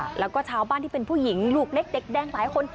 แล้วก็ชาวบ้านที่เป็นผู้หญิงลูกเล็กเด็กแดงหลายคน